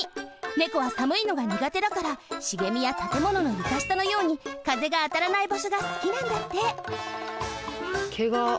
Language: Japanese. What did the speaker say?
猫はさむいのがにがてだから茂みやたてものの床下のように風があたらない場所がすきなんだってけが。